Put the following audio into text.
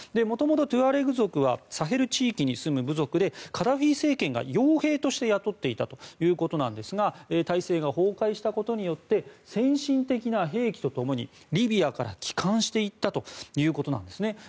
もともとトゥアレグ部族はサヘル地域に住む部族でカダフィ政権が傭兵として雇っていたということなんですが体制が崩壊したことによって先進的な兵器と共にリビアから帰還していったということなんですね。